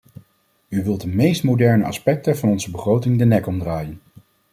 U wilt de meest moderne aspecten van onze begroting de nek omdraaien!